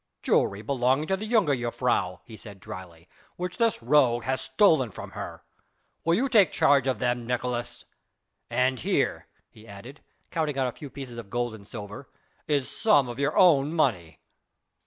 "Jewellery belonging to the jongejuffrouw," he said dryly, "which this rogue hath stolen from her. Will you take charge of them, Nicolaes? And here," he added, counting out a few pieces of gold and silver, "is some of your own money."